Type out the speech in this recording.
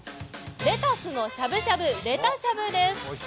レタスのしゃぶしゃぶ、レタしゃぶです。